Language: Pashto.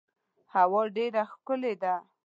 هوا ډیره ښکلې ده .